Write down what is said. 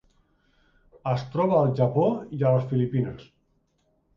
Es troba al Japó i a les Filipines.